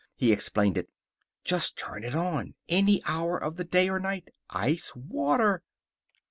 He explained it. "Just turn it on. Any hour of the day or night. Ice water!"